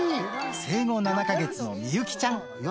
生後７か月のみゆきちゃん。